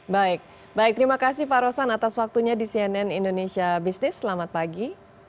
baik baik terima kasih pak rosan atas waktunya di cnn indonesia business selamat pagi